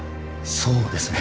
そうですね。